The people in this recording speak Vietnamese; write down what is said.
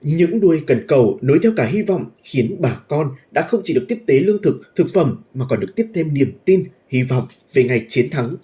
những đuôi cần cầu nối theo cả hy vọng khiến bà con đã không chỉ được tiếp tế lương thực thực phẩm mà còn được tiếp thêm niềm tin hy vọng về ngày chiến thắng covid một mươi chín